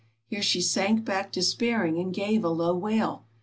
Here she sank back despairing, and gave a low wail.